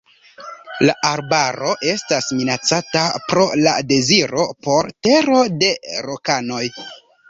La arbaro estas minacata pro la deziro por tero de lokanoj.